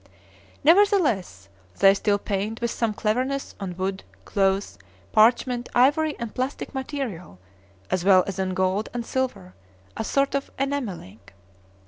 Nevertheless, they still paint with some cleverness on wood, cloth, parchment, ivory, and plastic material, as well as on gold and silver, a sort of enamelling.